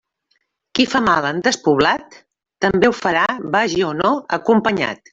Qui fa mal en despoblat, també ho farà vagi o no acompanyat.